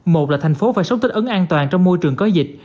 một là thành phố phải sống tích ấn an toàn trong môi trường có dịch